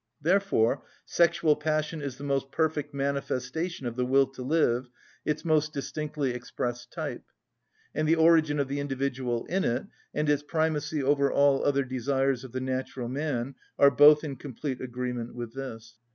Therefore sexual passion is the most perfect manifestation of the will to live, its most distinctly expressed type; and the origin of the individual in it, and its primacy over all other desires of the natural man, are both in complete agreement with this.